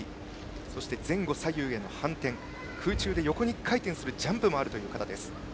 そして前後左右への反転や空中で横に１回転するジャンプもある形です。